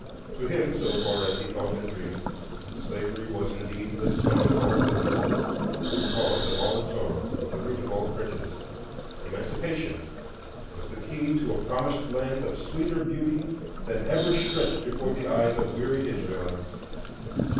To him, so far as he thought and dreamed, slavery was indeed the sum of all villainies, the cause of all sorrow, the root of all prejudice; Emancipation was the key to a promised land of sweeter beauty than ever stretched before the eyes of wearied Israelites.